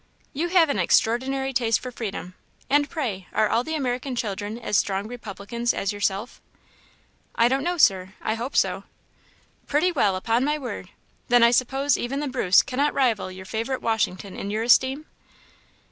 "You have an extraordinary taste for freedom! And pray, are all the American children as strong republicans as yourself?" "I don't know, Sir; I hope so." "Pretty well, upon my word! Then I suppose even the Bruce cannot rival your favourite Washington in your esteem?"